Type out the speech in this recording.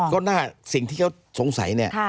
ก็น่าสิ่งที่เขาสงสัยเนี่ย